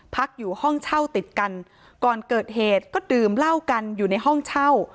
พักอยู่ห้องเช่าติดกันก่อนเกิดเหตุก็ดื่มเหล้ากันอยู่ในห้องเช่า